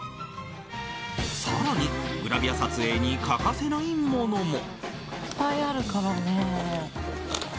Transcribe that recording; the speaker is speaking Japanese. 更に、グラビア撮影に欠かせないものも。